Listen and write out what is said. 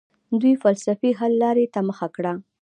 دوی فلسفي حل لارې ته مخه کړه.